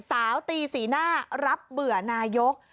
ตีสีหน้ารับเบื่อนายก